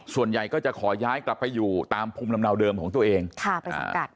ส่วนใหญ่ก็จะขอย้ายกลับไปอยู่ตามภูมิลำเนาเดิมของตัวเองค่ะไปสังกัด